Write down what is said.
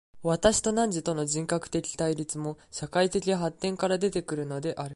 私と汝との人格的対立も、社会的発展から出て来るのである。